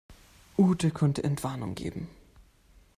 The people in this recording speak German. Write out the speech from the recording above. Ute konnte Entwarnung geben.